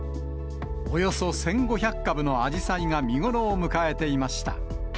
およそ１５００株のアジサイが見頃を迎えていました。